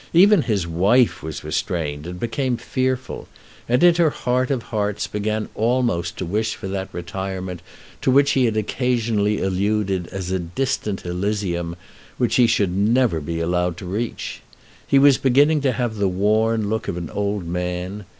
Even his wife was restrained and became fearful, and in her heart of hearts began almost to wish for that retirement to which he had occasionally alluded as a distant Elysium which he should never be allowed to reach. He was beginning to have the worn look of an old man.